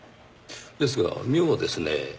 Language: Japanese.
ですが妙ですねぇ。